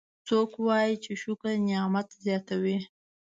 څوک وایي چې شکر نعمت زیاتوي